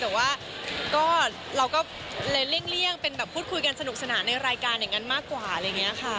แต่ว่าก็เราก็เลยเลี่ยงเป็นแบบพูดคุยกันสนุกสนานในรายการอย่างนั้นมากกว่าอะไรอย่างนี้ค่ะ